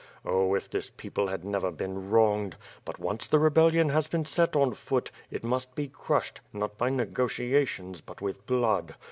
Oh if this people had never been wronged! But, once the rebellion has been set on foot, it must be crushed, not by negotiations, but with blood.